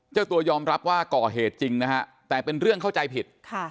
เจ้าตัวยอมรับว่าก่อเหตุจริงนะฮะแต่เป็นเรื่องเข้าใจผิด